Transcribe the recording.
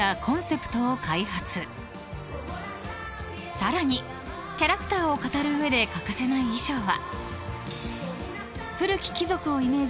［さらにキャラクターを語る上で欠かせない衣装は］